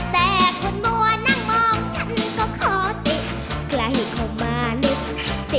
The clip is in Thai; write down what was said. แต่จะไปในเวลาไก่